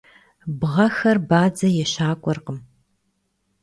Бгъэхэр бадзэ ещакӏуэркъым.